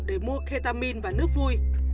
để mua ketamin và nước vui